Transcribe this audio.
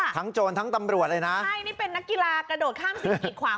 โจรทั้งตำรวจเลยนะใช่นี่เป็นนักกีฬากระโดดข้ามสิ่งกีดขวาง